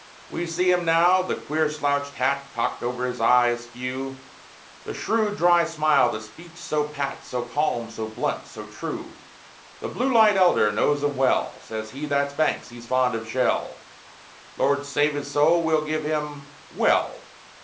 We see him now the queer slouched hat Cocked o'er his eye askew; The shrewd, dry smile; the speech so pat, So calm, so blunt, so true. The "Blue Light Elder" knows 'em well; Says he, "That's Banks he's fond of shell; Lord save his soul! we'll give him " well!